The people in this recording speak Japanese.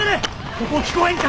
そこ聞こえんか？